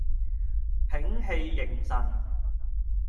屏氣凝神